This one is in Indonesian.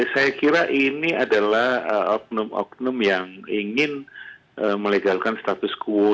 saya kira ini adalah oknum oknum yang ingin melegalkan status quo